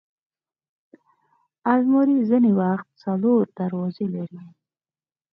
الماري ځینې وخت څلور دروازې لري